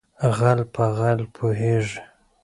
ـ غل په غل پوهېږي.